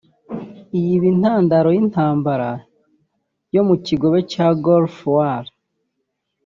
iyi iba intandaro y’intambara yo mu kigobe(Gulf War)